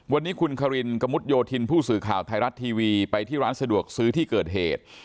วันนี้คุณคารินกระมุดโยธินผู้สื่อข่าวไทยรัฐทีวีไปที่ร้านสะดวกซื้อที่เกิดเหตุ